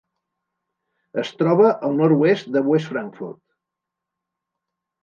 Es troba al nord-oest de West Frankfort.